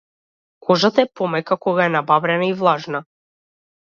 Кожата е помека кога е набабрена и влажна.